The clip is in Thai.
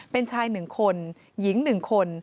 เป็นชาย๑คนหญิง๑คน